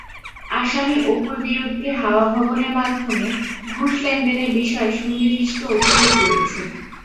আসামি অপুর বিরুদ্ধে হাওয়া ভবনের মাধ্যমে ঘুষ লেনদেনের বিষয়ে সুনির্দিষ্ট অভিযোগ রয়েছে।